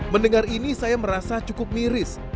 mendengar ini saya merasa cukup miris